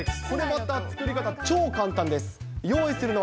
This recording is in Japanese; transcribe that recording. これまた作り方、超簡単です。